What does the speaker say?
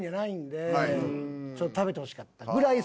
ちょっと食べてほしかったぐらい好きです。